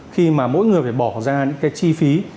khi mà mỗi người phải bỏ ra những cái chi phí